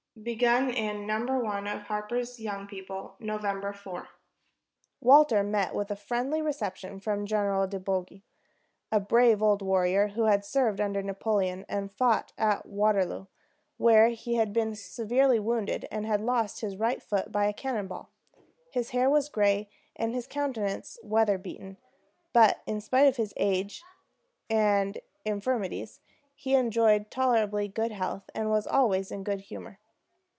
[Begun in No. 1 of HARPER'S YOUNG PEOPLE, November 4.] THE BRAVE SWISS BOY. VIII. THE REWARD OF FIDELITY. Walter met with a friendly reception from General De Bougy a brave old warrior who had served under Napoleon, and fought at Waterloo, where he had been severely wounded, and had lost his right foot by a cannon ball. His hair was gray, and his countenance weather beaten; but in spite of his age and infirmities he enjoyed tolerably good health, and was always in good humor.